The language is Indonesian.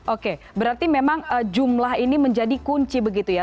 oke berarti memang jumlah ini menjadi kunci begitu ya